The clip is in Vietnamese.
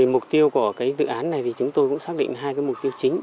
mục tiêu của dự án này thì chúng tôi cũng xác định hai mục tiêu chính